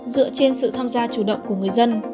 dựa trên sự tham gia chủ động của người dân